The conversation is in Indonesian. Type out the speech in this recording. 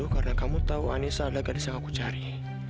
karena kamu tahu anissa adalah gadis yang aku cari